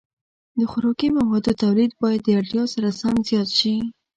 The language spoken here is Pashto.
د خوراکي موادو تولید باید د اړتیا سره سم زیات شي.